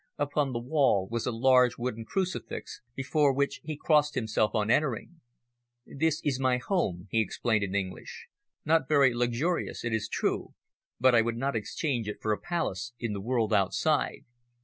Upon the wall was a large wooden crucifix before which he crossed himself on entering. "This is my home," he explained in English. "Not very luxurious, it is true, but I would not exchange it for a palace in the world outside.